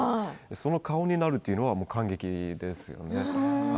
その顔になるというのは感激ですよね。